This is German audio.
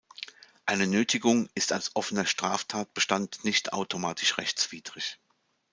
Eine "Nötigung" ist als offener Straftatbestand nicht automatisch rechtswidrig.